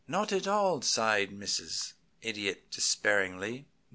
"None at all," sighed Mrs. Idiot, despairingly.